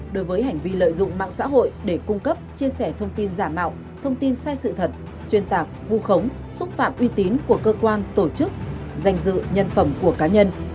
đối với hành vi lợi dụng mạng xã hội để cung cấp chia sẻ thông tin giả mạo thông tin sai sự thật xuyên tạc vu khống xúc phạm uy tín của cơ quan tổ chức danh dự nhân phẩm của cá nhân